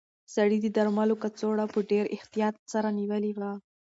سړي د درملو کڅوړه په ډېر احتیاط سره نیولې وه.